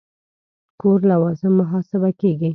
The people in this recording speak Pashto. کور لوازم محاسبه کېږي.